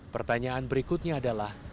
pertanyaan berikutnya adalah